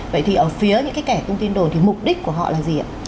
vậy thì ở phía những kẻ tin đồn thì mục đích của họ là gì ạ